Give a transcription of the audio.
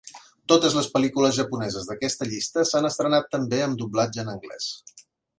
Totes les pel·lícules japoneses d'aquesta llista s'han estrenat també amb doblatge en anglès.